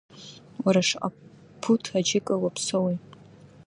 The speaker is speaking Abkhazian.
Уара шаҟа ԥуҭ аџьыка уаԥсоуи?